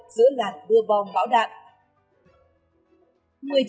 giữa làn bưa bom bão đạn